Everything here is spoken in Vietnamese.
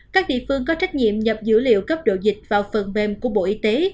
các địa phương có trách nhiệm nhập dữ liệu cấp độ dịch vào phần mềm của bộ y tế